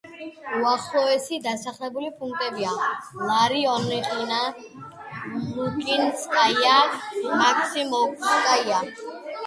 უახლოესი დასახლებული პუნქტებია: ლარიონიხა, ლუკინსკაია, მაქსიმოვსკაია.